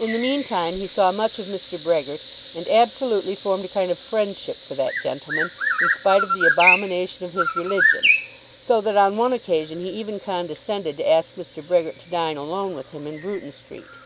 In the meantime he saw much of Mr. Brehgert, and absolutely formed a kind of friendship for that gentleman, in spite of the abomination of his religion, so that on one occasion he even condescended to ask Mr. Brehgert to dine alone with him in Bruton Street.